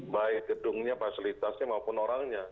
baik gedungnya fasilitasnya maupun orangnya